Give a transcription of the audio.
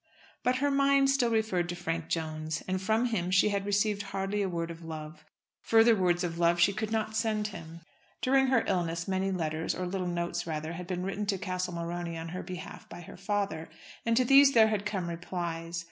But her mind still referred to Frank Jones, and from him she had received hardly a word of love. Further words of love she could not send him. During her illness many letters, or little notes rather, had been written to Castle Morony on her behalf by her father, and to these there had come replies.